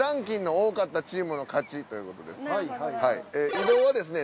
移動はですね